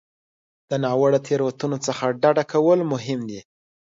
له ناوړه تېروتنو څخه ډډه کول مهم دي.